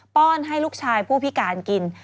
้อนให้ลูกชายผู้พิการกิน